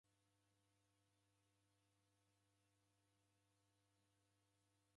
Deko na timu ya isanga ya mpira ghwa maghu.